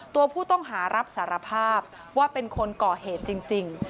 ตัวผู้ต้องหารับสารภาพว่าเป็นคนก่อเหตุจริง